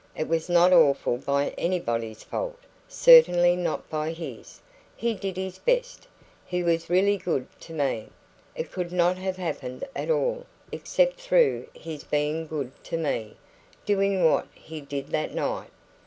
"It was not awful by anybody's fault certainly not by his. He did his best; he was really good to me. It could not have happened at all, except through his being good to me doing what he did that night.